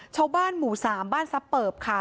ชาวบ้านหมู่๓บ้านซับเปิบค่ะ